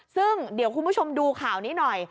ซึ่งเดี๋ยวคุณผู้ชมดูข่าวนี้หน่อย